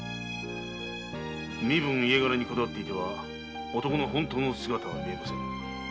身分・家柄にこだわっていては男の本当の姿は見えませぬ。